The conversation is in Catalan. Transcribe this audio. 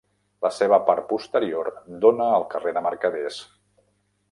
La seva part posterior dóna al carrer de Mercaders.